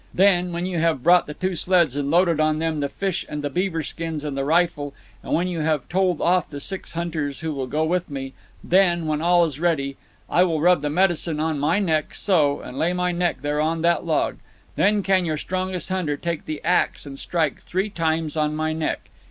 Then, when you have brought the two sleds and loaded on them the fish and the beaver skins and the rifle, and when you have told off the six hunters who will go with me—then, when all is ready, I will rub the medicine on my neck, so, and lay my neck there on that log. Then can your strongest hunter take the axe and strike three times on my neck.